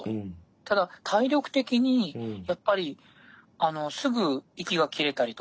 ただ体力的にやっぱりすぐ息が切れたりとか。